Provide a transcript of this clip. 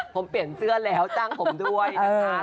ผมเปลี่ยนเสื้อแล้วจ้างผมด้วยนะคะ